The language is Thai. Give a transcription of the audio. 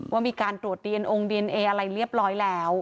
ว่ามีการตรวจดีเอนองค์ดีเอนเออะไรเรียบร้อยแล้ว